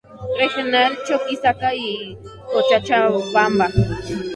Regional Chuquisaca y Cochabamba.